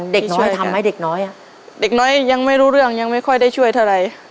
เด็กน้อยยังไม่รู้เรื่องยังไม่ค่อยได้ช่วยเท่าไร